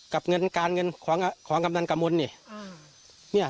กับเงินการเงินของกำลังกำลังมนต์นี่